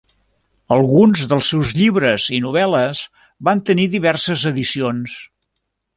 Alguns dels seus llibres i novel·les van tenir diverses edicions.